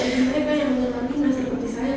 bagi mereka yang menerima seperti saya